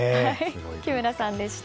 木村さんでした。